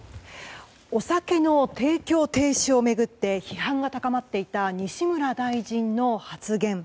お酒の提供停止を巡って批判が高まっていた西村大臣の発言。